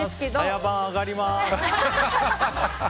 早番上がりまーす！